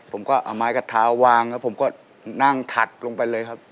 ผมก็เอาไม้กระเท้าวางแล้วผมก็นั่งถัดลงไปเลยครับ